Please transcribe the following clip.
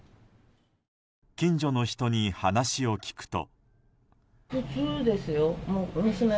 近所の人に話を聞くと。